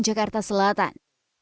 kemang jakarta selatan